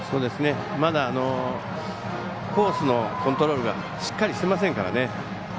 まだコースのコントロールしっかりしていませんから。